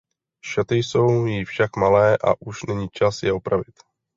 Šaty jsou jí však malé a už není čas je opravit.